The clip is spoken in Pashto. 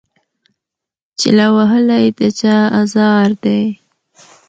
چي لا وهلی د چا آزار دی